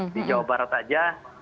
di jawa barat aja